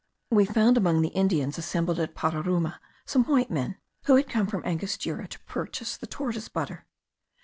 We found among the Indians assembled at Pararuma some white men, who had come from Angostura to purchase the tortoise butter.